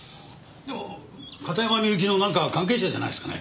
片山みゆきのなんか関係者じゃないですかね？